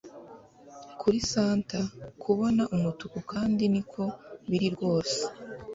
Kuri Santa kubona umutuku kandi niko biri rwose